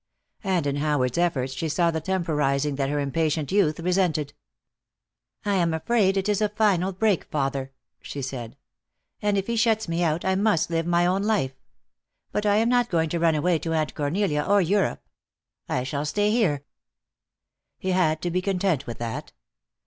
And in Howard's efforts she saw the temporizing that her impatient youth resented. "I am afraid it is a final break, father," she said. "And if he shuts me out I must live my own life. But I am not going to run away to Aunt Cornelia or Europe. I shall stay here." He had to be content with that.